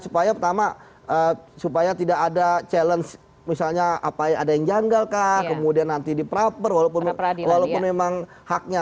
supaya pertama supaya tidak ada challenge misalnya apa ada yang janggalkah kemudian nanti diperapar walaupun memang haknya